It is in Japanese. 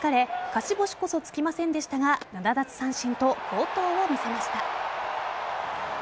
勝ち星こそつきませんでしたが７奪三振と好投を見せました。